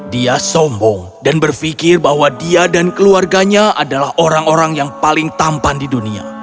dia sombong dan berpikir bahwa dia dan keluarganya adalah orang orang yang paling tampan di dunia